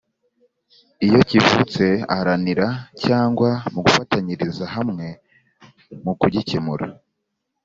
iyo kivutse aharanira cyangwa mugafatanyiriza hamwe mu kugikemura.